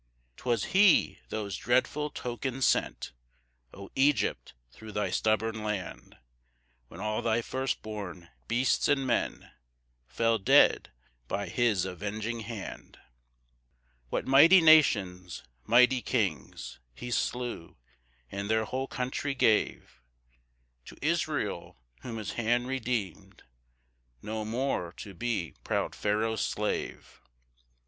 3 'Twas he those dreadful tokens sent, O Egypt thro' thy stubborn land; When all thy first born beasts and men Fell dead by his avenging hand. 4 What mighty nations, mighty kings, He slew, and their whole country gave To Israel, whom his hand redeem'd, No more to be proud Pharaoh's slave!